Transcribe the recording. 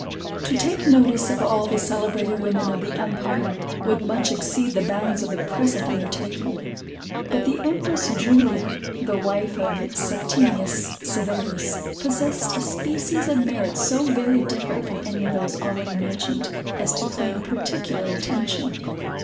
To take notice of all the celebrated women of the empire, would much exceed the bounds of the present undertaking. But the empress Julia the wife of Septimius Severus, possessed a species of merit so very different from any of those already mentioned, as to claim particular attention.